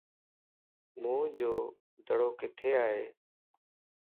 موئن جو دڙو ڪٿي ائي؟